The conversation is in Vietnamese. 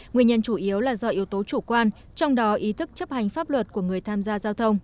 nguyên nhân chủ yếu là do yếu tố chủ quan trong đó ý thức chấp hành pháp luật của người tham gia giao thông